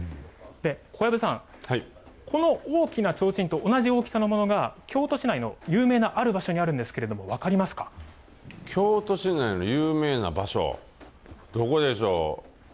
小籔さん、この大きな提灯と同じ大きさのものが、京都市内の有名なある場所にあるんですけれども、京都市内の有名な場所？